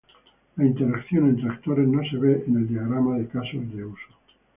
La interacción entre actores no se ve en el diagrama de casos de uso.